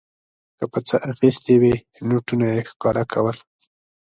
که په څه اخیستې وې نوټونه یې ښکاره کول.